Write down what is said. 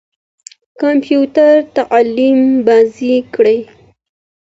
کمپيوټر تعليمي بازۍ لري.